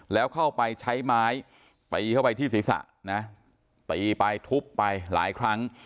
แล้วเข้าไปใช้ไม้ตีเข้าไปที่ศีรษะนะตีไปทุบไปหลายครั้ง